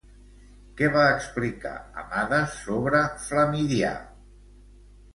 Què va explicar Amades sobre Flamidià?